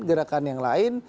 gerakan yang lain